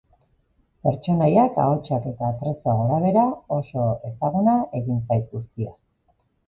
Pertsonaiak, ahotsak eta atrezzoa gora-behera, oso ezaguna egin zait guztia.